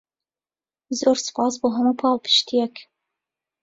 زۆر سوپاس بۆ هەموو پاڵپشتییەک.